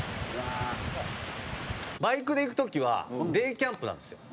バイクで行く時はデイキャンプなんですよ。